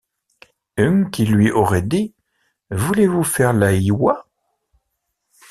Ung qui luy auroyt dict :« Voulez-vous faire la ioye ?